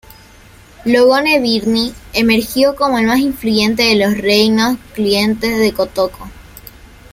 Logone-Birni emergió como el más influyente de los reinos clientes de Kotoko.